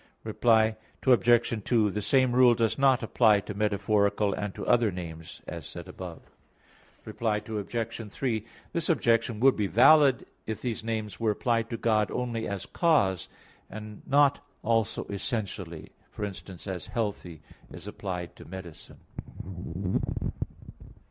Reply Obj. 2: The same rule does not apply to metaphorical and to other names, as said above. Reply Obj. 3: This objection would be valid if these names were applied to God only as cause, and not also essentially, for instance as "healthy" is applied to medicine.